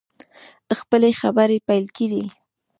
خپلې خبرې پیل کړې.